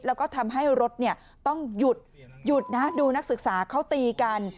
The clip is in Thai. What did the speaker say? แล้วก็ทำให้รถต้องหยุดหยุดนะดูนักศึกษาเขาตีกัน